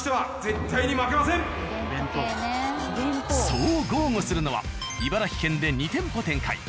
そう豪語するのは茨城県で２店舗展開